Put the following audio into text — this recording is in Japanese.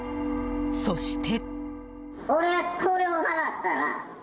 そして。